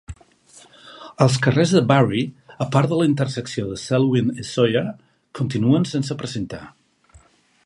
Els carrers de Barry, a part de la intersecció de Selwyn i Sawyer, continuen sense precintar.